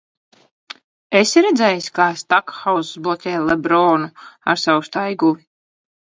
Esi redzējis, kā Stakhauss bloķē Lebronu ar savu staiguli?